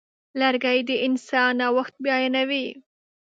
لرګی د انسان نوښت بیانوي.